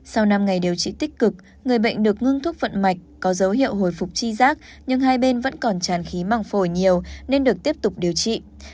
sau năm ngày điều trị tích cực người bệnh được ngưng thuốc vận mạch có dấu hiệu hồi phục chi giác nhưng hai bên vẫn còn tràn khí màng phổi nhiều nên được tiếp tục điều trị